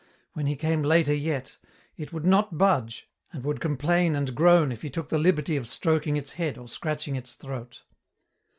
When he came later yet, it would not budge, and would complain and groan if he took the liberty of stroking its head or scratching its throat.